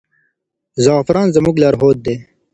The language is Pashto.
زعفران زموږ لارښود دی.